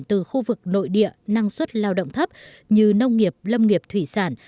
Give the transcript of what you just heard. từ khu vực nội địa năng suất lao động thấp như nông nghiệp lâm nghiệp thủy sản